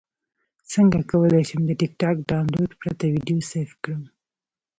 څنګه کولی شم د ټکټاک ډاونلوډ پرته ویډیو سیف کړم